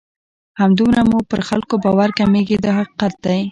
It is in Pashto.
همدومره مو پر خلکو باور کمیږي دا حقیقت دی.